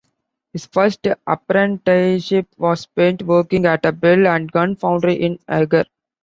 His first apprenticeship was spent working at a bell and gun foundry in Eger.